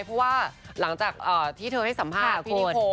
เพราะว่าหลังจากที่เธอให้สัมภาษณ์คุณ